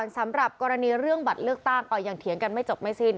สำหรับกรณีเรื่องบัตรเลือกตั้งก็ยังเถียงกันไม่จบไม่สิ้น